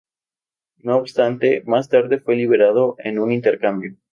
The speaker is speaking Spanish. No obstante, más tarde fue liberado en un intercambio.